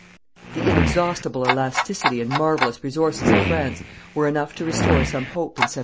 The inexhaustible elasticity and marvellous resources of France were enough to restore some hope in 1707.